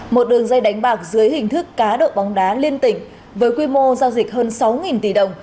một đường dây đánh bạc dưới hình thức cá độ bóng đá liên tỉnh với quy mô giao dịch hơn sáu tỷ đồng